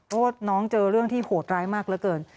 โทษน้องเจอเรื่องที่โหดร้ายมากแล้วเกิน